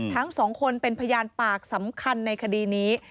ทั้งสองคนเป็นพยานปากสำคัญในคดีนี้